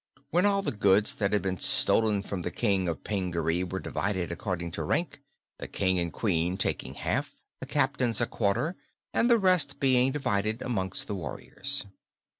Then all the goods that had been stolen from the King of Pingaree were divided according to rank, the King and Queen taking half, the captains a quarter, and the rest being divided amongst the warriors.